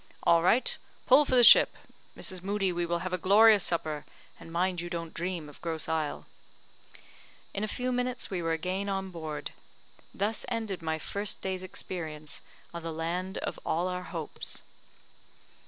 "All right; pull for the ship. Mrs. Moodie, we will have a glorious supper, and mind you don't dream of Grosse Isle." In a few minutes we were again on board. Thus ended my first day's experience of the land of all our hopes.